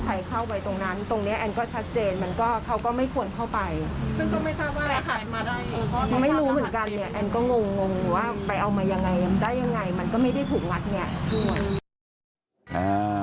มันก็ไม่ได้ถูกมัดอย่างนี้